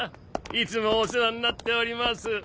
いつもお世話になっております。